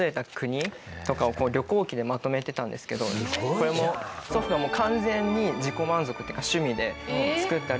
これも祖父の完全に自己満足というか趣味で作った旅行記で。